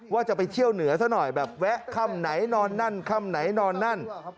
ว่าจะไปเที่ยวเหนือซะหน่อยแบบแวะค่ำไหนนอนนั่นค่ำไหนนอนนั่น